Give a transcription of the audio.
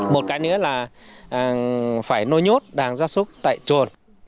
một cái nữa là phải nôi nhốt đàn gia súc tại chuột